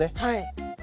はい。